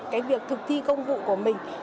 cái việc thực thi công vụ của mình